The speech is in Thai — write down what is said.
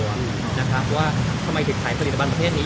ส่วนตัวนะครับว่าทำไมเด็กขายผลิตภัณฑ์ประเภทนี้